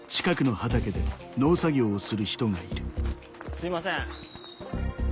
すいません。